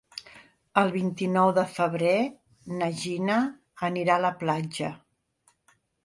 El vint-i-nou de febrer na Gina anirà a la platja.